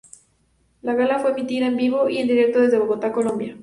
La gala fue emitida en vivo y en directo desde Bogotá, Colombia.